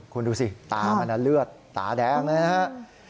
คุณดูสิตามันเลือดตาแดงเลยนะครับ